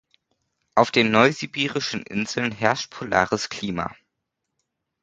Auf den Neusibirischen Inseln herrscht polares Klima.